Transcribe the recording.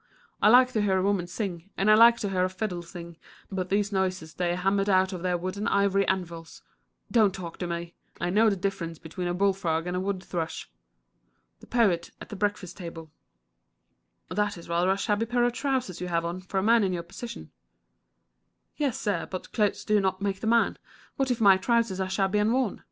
I like to hear a woman sing, and I like to hear a fiddle sing, but these noises they hammer out of their wood and ivory anvils don't talk to me; I know the difference between a bullfrog and a wood thrush. The Poet at the Breakfast Table. "That is rather a shabby pair of trousers you have on, for a man in your position." "Yes, sir; but clothes do not make the man. What if my trousers are shabby and worn?